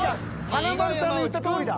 華丸さんの言ったとおりだ。